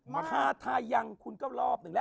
ทาทายังคุณก็รอบหนึ่งแล้ว